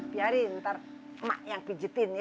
biarin ntar emak yang pijitin ya